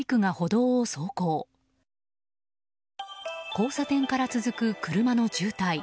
交差点から続く車の渋滞。